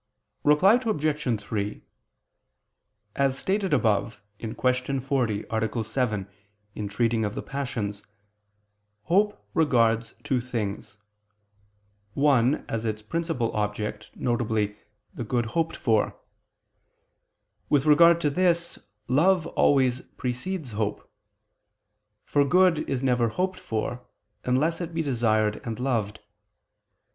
Reply Obj. 3: As stated above (Q. 40, A. 7), in treating of the passions, hope regards two things. One as its principal object, viz. the good hoped for. With regard to this, love always precedes hope: for good is never hoped for unless it be desired and loved.